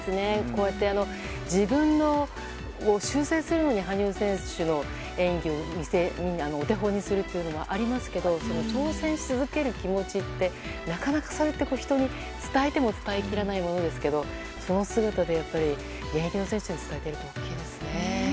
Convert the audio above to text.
こうやって自分を修正するのに羽生選手の演技をお手本にするというのはありますけど挑戦し続ける気持ちってなかなか、それって人に伝えても伝えきらないものですけどその姿で現役の選手に伝えているのは大きいですね。